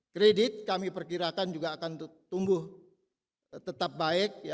kredit kami perkirakan juga akan tumbuh tetap baik